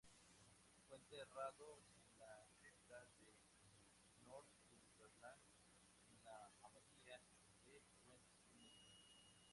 Fue enterrado en la cripta de Northumberland, en la Abadía de Westminster.